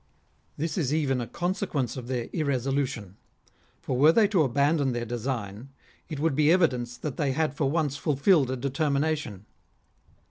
This is even a consequence of their irresolu tion ; for were they to abandon their design, it would be evidence that they had for once fulfilled a determina tion.